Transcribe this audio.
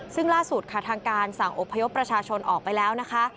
ซึ่งล่าสุดค่ะทางการสั่งอบพยพประชาชนออกไปแล้วนะคะ